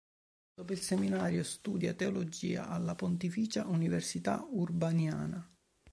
Dopo il seminario, studia teologia alla Pontificia Università Urbaniana.